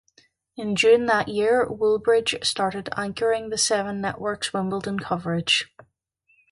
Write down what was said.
In June that year, Woodbridge started anchoring the Seven Network's Wimbledon coverage.